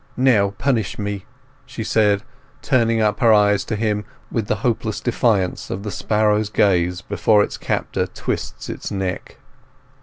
"Now, punish me!" she said, turning up her eyes to him with the hopeless defiance of the sparrow's gaze before its captor twists its neck.